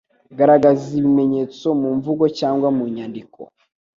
Garagaza ibimenyetso mu mvugo cyangwa mu nyandiko,